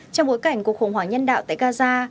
trong bối cảnh cuộc khủng hoảng nhân đạo tại gaza